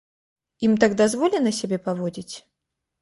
Ім так дазволена сябе паводзіць?